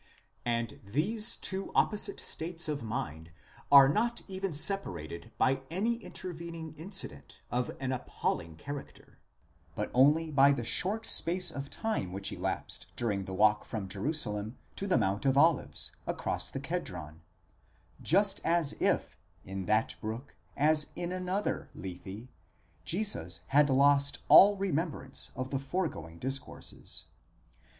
And these two opposite states of mind are not even separated by any intervening incident of an appalling character, but only by the short space of time which elapsed during the walk from Jerusalem to the Mount of Olives, across the Kedron: just as if, in that brook, as in another Lethe, Jesus had lost all remembrance of the foregoing discourses.